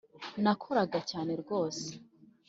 nakoraga cyane rwose,